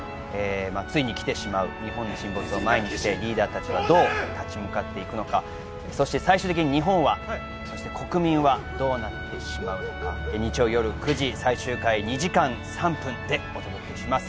ついに来てしまう日本沈没を前にしてリーダーたちはどう立ち向かっていくのかそして最終的に日本はそして国民はどうなってしまうのか日曜よる９時最終回２時間３分でお届けします